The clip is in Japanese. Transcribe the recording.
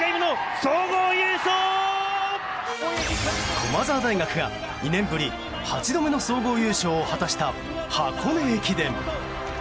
駒澤大学が２年ぶり８度目の総合優勝を果たした箱根駅伝。